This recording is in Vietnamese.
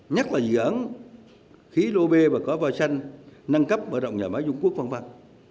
nhất là dự án khí lô bê và có voi xanh nâng cấp mở rộng nhà máy dung quốc văn văn